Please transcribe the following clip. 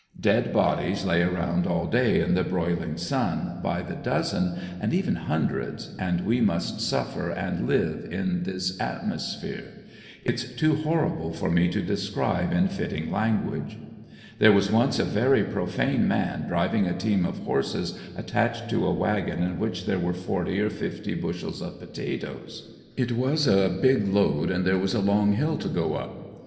Dead bodies lay around all day in the broiling sun, by the dozen and even hundreds, and we must suffer and live in this atmosphere. It's too horrible for me to describe in fitting lan guage. There was once a very profane man driving a team of horses attached to a wagon in which there were forty or fifty bush els of potatoes It was a big load and there was a long hill to go up.